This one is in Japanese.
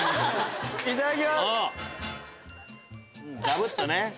ガブっとね！